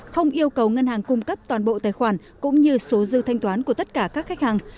không yêu cầu ngân hàng cung cấp toàn bộ tài khoản cũng như số dư thanh toán của tất cả các khách hàng